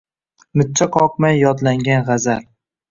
Mijja qoqmay yodlangan gʼazal